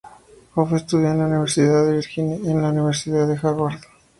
Orff estudió en la Universidad de Virginia y en la Universidad de Harvard.